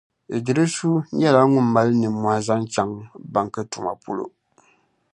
Iddrisu nyɛla ŋun mali nimmɔhi zaŋ chaŋ banki tuma polo.